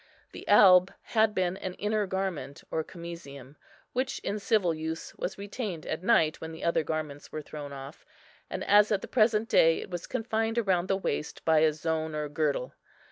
The alb had been the inner garment, or camisium, which in civil use was retained at night when the other garments were thrown off; and, as at the present day, it was confined round the waist by a zone or girdle.